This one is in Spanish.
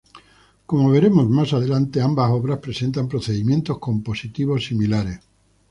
Como veremos más adelante, ambas obras presentan procedimientos compositivos similares.